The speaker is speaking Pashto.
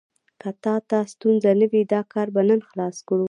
که تا ته ستونزه نه وي، دا کار به نن خلاص کړو.